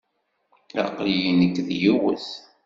Aql-iyi nekk d yiwet.